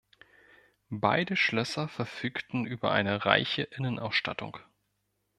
Beide Schlösser verfügten über eine reiche Innenausstattung.